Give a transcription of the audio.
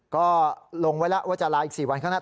ก็ลงไว้แล้วว่าจะลาอีก๔วันข้างหน้า